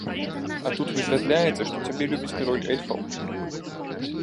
А тут высвятляецца, што цябе любіць кароль эльфаў!